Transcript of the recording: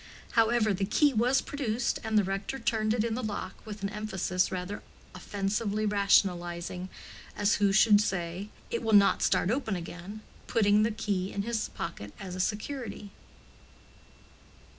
However, the key was produced, and the rector turned it in the lock with an emphasis rather offensively rationalizing—as who should say, "it will not start open again"—putting the key in his pocket as a security.